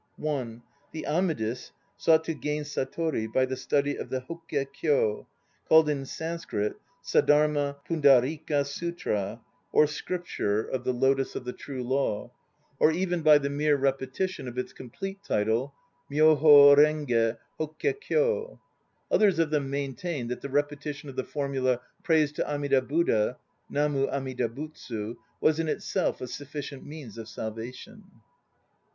(1) The Amidists sought to gain sctiori by the study of the Hokke called in Sanskrit Saddharma Pundarika Sutra or "Scripture of SI 32 NOTE ON BUDDHISM the Lotus of the True Law," or even by the mere repetition of its complete title Myoho Renge Hokke Kyo." Others of them main tained that the repetition of the formula "Praise to Amida Buddha" (Mantu Amida Butsu) was in itself a sufficient means of salvation.